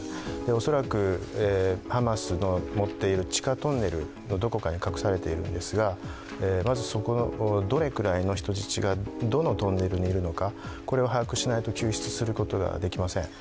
恐らくハマスの持っている地下トンネルのどこかに隠されているんですがまずどれくらいの人質がどのトンネルにいるのかこれはを把握しないと救出することができません。